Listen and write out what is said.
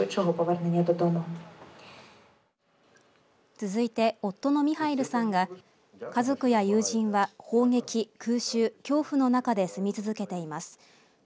続いて、夫のミハイルさんが家族や友人は砲撃、空襲、恐怖の中で住み続けています。